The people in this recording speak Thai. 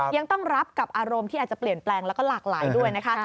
ยังต้องรับกับอารมณ์ที่อาจจะเปลี่ยนแปลงแล้วก็หลากหลายด้วยนะคะ